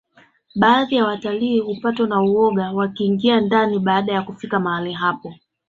baadhi ya watalii hupatwa na uoga wa kuingia ndani baada ya kufikia mahali hapo